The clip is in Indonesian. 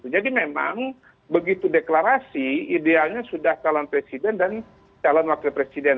jadi memang begitu deklarasi idealnya sudah calon presiden dan calon wakil presiden